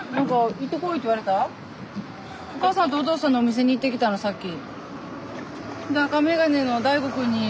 お母さんとお父さんのお店に行ってきたのさっき。